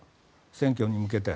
選挙に向けて。